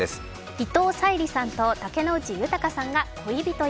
伊藤沙莉さんと竹野内豊さんが恋人役。